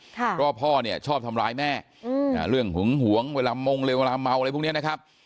เพราะว่าพ่อเนี่ยชอบทำร้ายแม่เรื่องหึงหวงเวลามงเลยเวลาเมาอะไรพวกนี้นะครับ